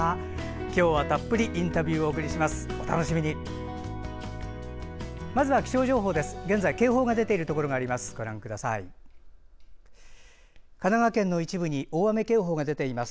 今日は、たっぷりインタビューをお送りします。